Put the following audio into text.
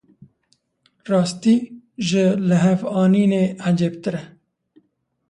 Rastî, ji lihevanînê ecêbtir e.